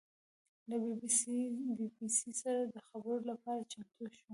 له بي بي سي سره د خبرو لپاره چمتو شوه.